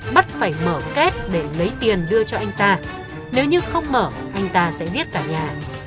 bắt phải mở két để lấy tiền đưa cho anh ta nếu như không mở anh ta sẽ giết cả nhà